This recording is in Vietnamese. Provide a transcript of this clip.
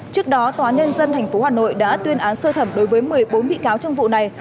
trước đó tòa nhân dân tp hà nội đã tuyên án sơ thẩm đối với một mươi bốn bị cáo trong vụ này